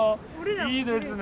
いいですね。